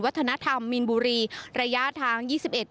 วัฒนธรรมมิลบุรีระยะทาง